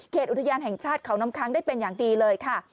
อุทยานแห่งชาติเขาน้ำค้างได้เป็นอย่างดีเลยค่ะ